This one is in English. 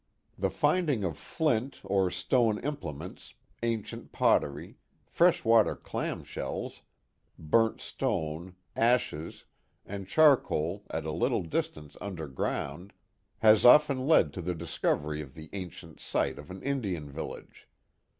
The finding of flint or stone implements, ancient pottery, fresh water clam shells, burnt stone, ashes, and charcoal at a little distance under ground, has often Itfd to the discoverv of the ancient site of an Indian village.